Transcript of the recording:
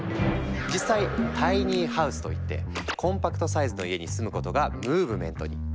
実際「タイニーハウス」といってコンパクトサイズの家に住むことがムーブメントに！